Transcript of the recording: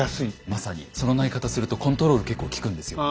まさにその投げ方するとコントロール結構利くんですよ。